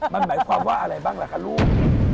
มันหมายความว่าอะไรบ้างล่ะคะลูก